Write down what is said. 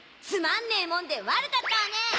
つまんねえもんで悪かったわね！